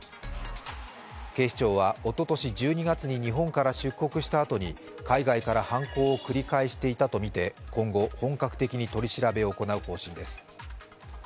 警視庁はおととし１２月に日本から出国したあとに海外から犯行を繰り返していたとみて今後、本格的に取り調べを行う方針です。